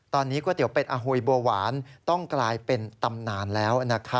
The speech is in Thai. ตอนนี้ก๋วยเตี๋ยเป็ดอหุยบัวหวานต้องกลายเป็นตำนานแล้วนะคะ